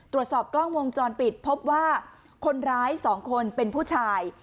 ตรวจสอบกล้องวงจรปิดพบว่าคนร้าย๒คนเป็นผู้ชาย